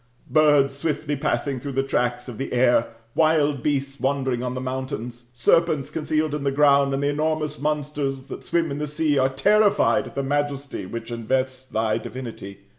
Birds swiftly passing through the tracts of the air, wild beasts wander ' ing on the mountains, serpents concealed in the ground, and the enormous monsters that swim in the sea, are terrified at the majesty which invests thy divinity.